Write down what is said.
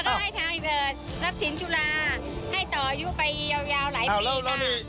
แล้วก็ให้ทางรับสินจุฬาให้ต่อยุ่งไปยาวหลายปีค่ะ